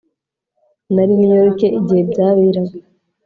Nari i New York igihe byaberaga